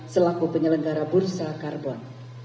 selaku penyelenggara bursa karbon